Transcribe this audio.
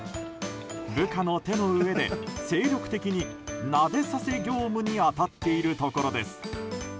部下の手の上で精力的に、なでさせ業務に当たっているところです。